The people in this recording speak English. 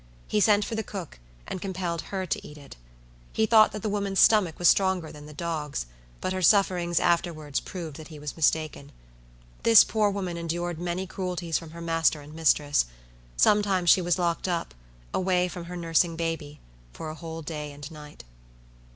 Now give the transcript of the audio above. He sent for the cook, and compelled her to eat it. He thought that the woman's stomach was stronger than the dog's; but her sufferings afterwards proved that he was mistaken. This poor woman endured many cruelties from her master and mistress; sometimes she was locked up, away from her nursing baby, for a whole day and night.